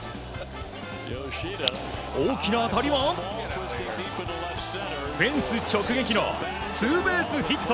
大きな当たりはフェンス直撃のツーベースヒット。